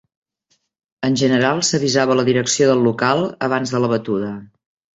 En general, s'avisava la direcció del local abans de la batuda.